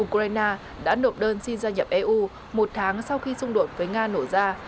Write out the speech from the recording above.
ukraine đã nộp đơn xin gia nhập eu một tháng sau khi xung đột với nga nổ ra